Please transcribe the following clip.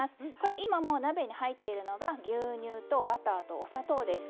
今、鍋に入っているのが牛乳とバターとお砂糖です。